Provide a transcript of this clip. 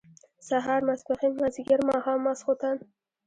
سهار ، ماسپښين، مازيګر، ماښام ، ماسخوتن